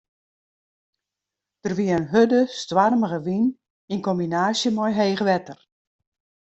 Der wie in hurde, stoarmige wyn yn kombinaasje mei heech wetter.